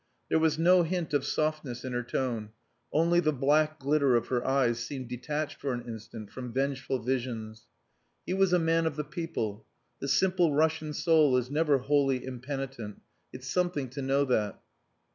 There was no hint of softness in her tone, only the black glitter of her eyes seemed detached for an instant from vengeful visions. "He was a man of the people. The simple Russian soul is never wholly impenitent. It's something to know that."